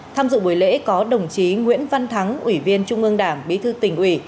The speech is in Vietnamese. tham dự buổi lễ có đồng chí nguyễn văn thắng ủy viên trung ương đảng bí thư tỉnh ủy